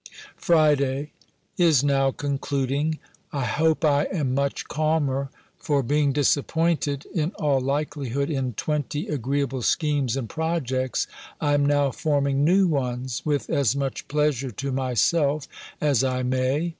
FRIDAY Is now concluding. I hope I am much calmer. For, being disappointed, in all likelihood, in twenty agreeable schemes and projects, I am now forming new ones, with as much pleasure to myself as I may.